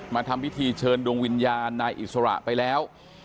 ทำพิธีเชิญดวงวิญญาณนายอิสระไปแล้ว